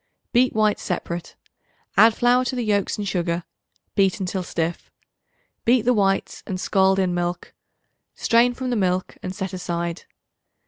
Beat whites separate; add flour to the yolks and sugar; beat until stiff. Beat the whites and scald in milk; strain from the milk, and set aside.